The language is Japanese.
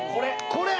これ！